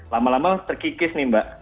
lama lama terkikis nih mbak